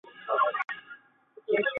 当小孩最重要的事